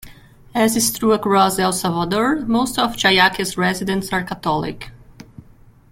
As is true across El Salvador, most of Jayaque's residents are Catholic.